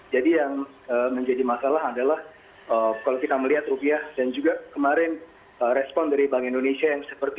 jadi yang menjadi masalah adalah kalau kita melihat rupiah dan juga kemarin respon dari bank indonesia yang seperti